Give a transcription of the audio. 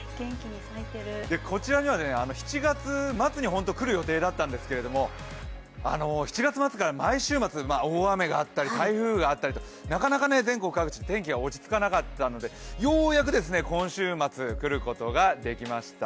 こちらには７月末に来る予定だったんですけど７月末から毎週末天気が悪かったり台風があったりとなかなか全国各地天気が落ち着かなかったのでようやく今週末、来ることができました。